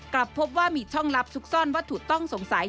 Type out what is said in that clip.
กลับพบว่ามีช่องลับซุกซ่อนวัตถุต้องสงสัย